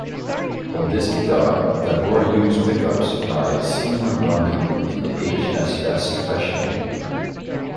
On this guitar Tabor use pickups by Seymour Duncan, in the H-S-S fashion.